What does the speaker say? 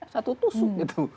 satu tusuk itu